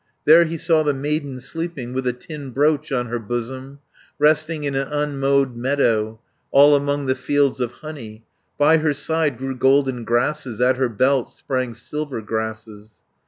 There he saw the maiden sleeping, With a tin brooch on her bosom, 370 Resting in an unmowed meadow, All among the fields of honey; By her side grew golden grasses, At her belt sprang silver grasses.